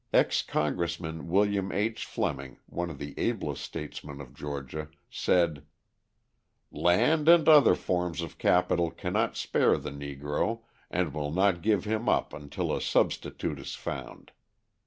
Ex Congressman William H. Fleming, one of the ablest statesmen of Georgia, said: "Land and other forms of capital cannot spare the Negro and will not give him up until a substitute is found.